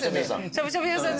しゃぶしゃぶ屋さん。